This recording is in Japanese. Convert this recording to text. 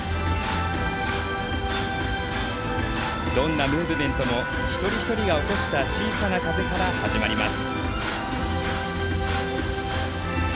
どんなムーブメントも一人一人が起こした小さな風から始まります。